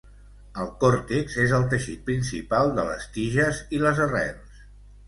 El còrtex és el teixit principal de les tiges i les arrels.